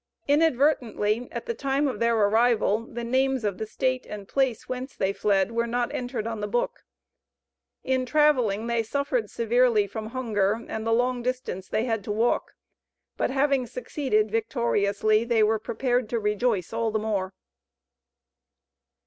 Inadvertently at the time of their arrival, the names of the State and place whence they fled were not entered on the book. In traveling they suffered severely from hunger and the long distance they had to walk, but having succeeded victoriously they were prepared to rejoice all the more.